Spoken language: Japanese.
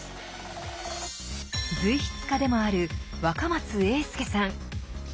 随筆家でもある若松英輔さん。